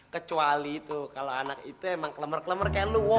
kecuali tuh kalau anak itu emang kelemar kelemar kayak luwo